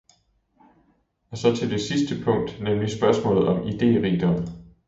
Og så til det sidste punkt, nemlig spørgsmålet om iderigdom.